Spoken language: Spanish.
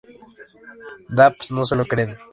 Labs no se lo creen.